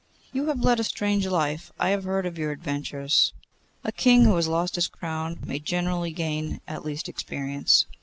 'You have led a strange life! I have heard of your adventures.' 'A king who has lost his crown may generally gain at least experience.